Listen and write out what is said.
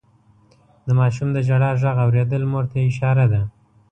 د ماشوم د ژړا غږ اورېدل مور ته اشاره ده.